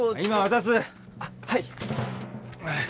はい。